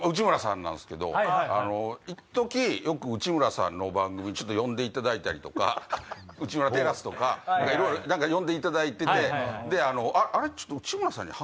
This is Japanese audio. なんですけどいっときよく内村さんの番組ちょっと呼んでいただいたりとか『内村てらす』とか呼んでいただいてて「あれ？ちょっと」。